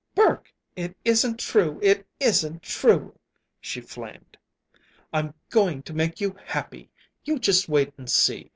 "Burke, it isn't true, it isn't true," she flamed. "I'm going to make you happy! You just wait and see.